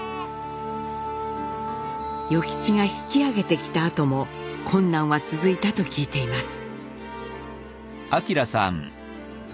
与吉が引き揚げてきたあとも困難は続いたと聞いています。